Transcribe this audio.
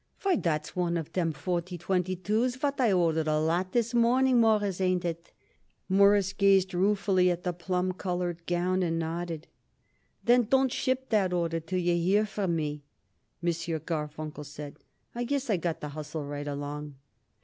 "Why, that's one of them forty twenty two's what I ordered a lot of this morning, Mawruss. Ain't it?" Morris gazed ruefully at the plum color gown and nodded. "Then don't ship that order till you hear from me," M. Garfunkel said. "I guess I got to hustle right along."